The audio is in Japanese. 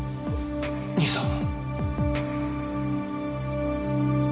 兄さん。